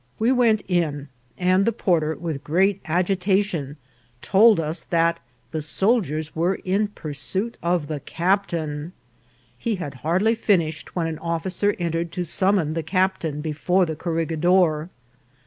We went in, and the porter, with great agitation, told us that the soldiers were in pursuit of the captain. He had hardly finished when an officer entered to summon the captain before the corregidor.